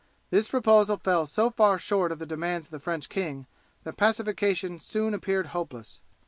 This proposal fell so far short of the demands of the French king that pacification soon appeared hopeless.